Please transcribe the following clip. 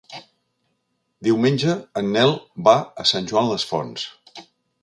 Diumenge en Nel va a Sant Joan les Fonts.